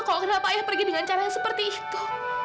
kalau kenapa ayah pergi dengan caranya seperti itu